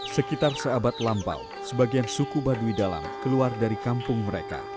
sekitar seabad lampau sebagian suku baduy dalam keluar dari kampung mereka